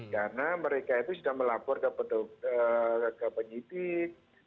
karena mereka itu sudah melapor ke penyidik